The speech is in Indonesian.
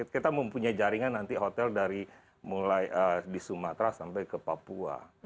kita mempunyai jaringan nanti hotel dari mulai di sumatera sampai ke papua